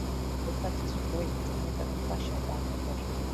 This statute prohibits a method of partial birth abortion.